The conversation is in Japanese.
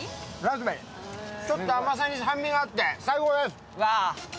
ちょっと甘さに酸味があって最高です。